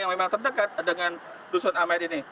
yang memang terdekat dengan dusun amed ini